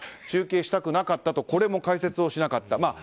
中継したくなかったとこれも解説をしなかった。